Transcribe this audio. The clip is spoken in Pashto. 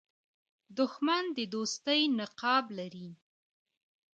دښمن د دوستۍ نقاب لري